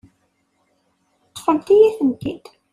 Ṭṭfemt-iyi-tent-id.